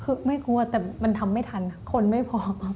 คือไม่กลัวแต่มันทำไม่ทันคนไม่พอครับ